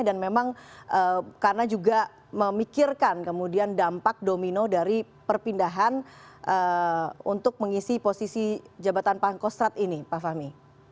dan memang karena juga memikirkan kemudian dampak domino dari perpindahan untuk mengisi posisi jabatan pangkostrat ini pak fahmi